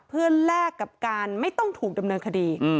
เพื่อแลกกับการไม่ต้องถูกดำเนินคดี